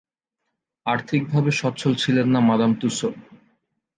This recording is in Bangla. আর্থিকভাবে সচ্ছল ছিলেন না মাদাম তুসো।